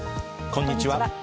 こんにちは。